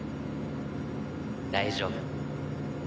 大丈夫。